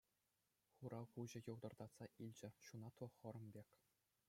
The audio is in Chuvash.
Хура куҫӗ йӑлтӑртатса илчӗ — ҫунатлӑ хӑрӑм пек.